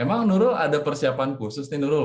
emang nurul ada persiapan khusus nih nurul